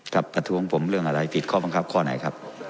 ประท้วงผมเรื่องอะไรผิดข้อบังคับข้อไหนครับ